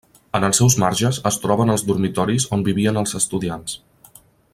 En els seus marges es troben els dormitoris on vivien els estudiants.